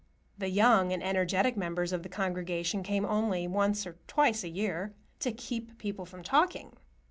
The young and energetic members of the congregation came only once or twice a year, "to keep people from talking."